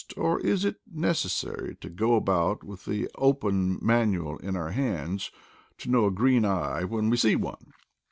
or is it necessary to go about with the open manual in our hands to know a green eye when we see one?